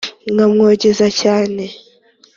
Nkamwogeza cyane